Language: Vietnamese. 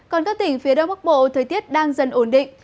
còn các tỉnh phía đông bắc bộ thời tiết đang dần ổn định